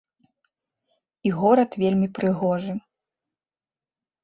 І горад вельмі прыгожы.